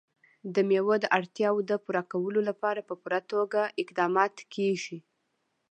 د مېوو د اړتیاوو پوره کولو لپاره په پوره توګه اقدامات کېږي.